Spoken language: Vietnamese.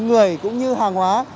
người cũng như hàng hóa